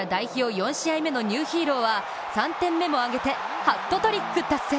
４試合目のニューヒーローは３点目も挙げて、ハットトリック達成。